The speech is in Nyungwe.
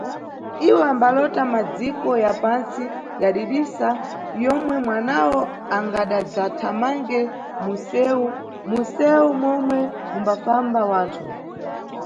Iwo ambalota Madziko ya pantsi ya didisa, yomwe mwanawo angadadzathamange mu nseu, mu mseu momwe mumbafamba wanthu.